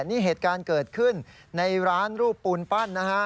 นี่เหตุการณ์เกิดขึ้นในร้านรูปปูนปั้นนะฮะ